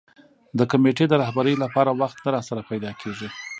د کمېټې د رهبرۍ لپاره وخت نه راسره پیدا کېږي.